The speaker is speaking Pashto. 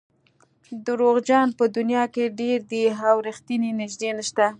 دروغجن په دنیا کې ډېر دي او رښتیني نژدې نشته.